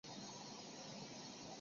距翅麦鸡为鸻科麦鸡属的鸟类。